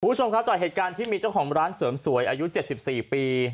คุณผู้ชมครับจากเหตุการณ์ที่มีเจ้าของร้านเสริมสวยอายุ๗๔ปี